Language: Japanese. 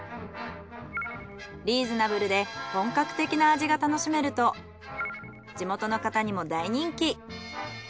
リーズナブルで本格的な味が楽しめると地元の方にも大人気。